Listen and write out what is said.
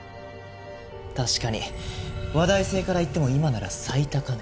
確かに話題性からいっても今なら最高値。